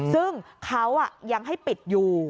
ซึ่งเขายังให้ปิดอยู่